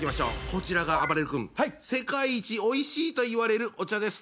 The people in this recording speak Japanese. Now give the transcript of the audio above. こちらがあばれる君世界一おいしいといわれるお茶です。